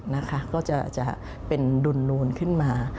โดยจะเป็นดุนขึ้นมา